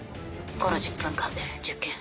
この１０分間で１０件。